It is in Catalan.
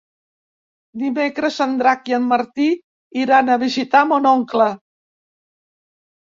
Dimecres en Drac i en Martí iran a visitar mon oncle.